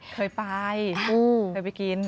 เคยไปเคยไปกิน